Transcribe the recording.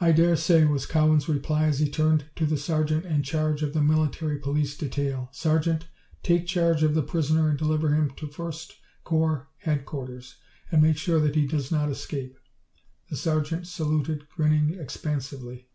"I dare say," was Cowan's reply as he turned to the sergeant in charge of the Military Police detail. "Sergeant, take charge of the prisoner and deliver him to First Corps Headquarters. And make sure that he does not escape." The sergeant saluted, grinning expansively.